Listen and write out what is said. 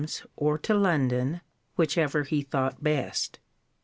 's, or to London, which ever he thought best.